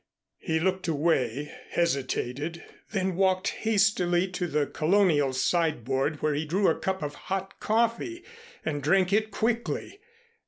He looked away, hesitated, then walked hastily to the Colonial sideboard where he drew a cup of hot coffee and drank it quickly.